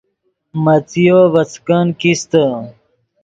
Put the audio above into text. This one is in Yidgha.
مڅیو ڤے څیکن کیستے